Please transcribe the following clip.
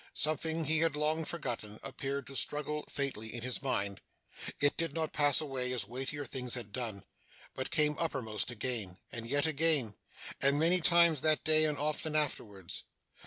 Something he had long forgotten, appeared to struggle faintly in his mind. It did not pass away, as weightier things had done; but came uppermost again, and yet again, and many times that day, and often afterwards.